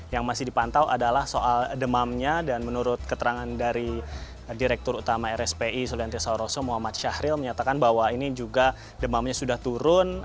yang masih dipantau adalah soal demamnya dan menurut keterangan dari direktur utama rspi sulianti saroso muhammad syahril menyatakan bahwa ini juga demamnya sudah turun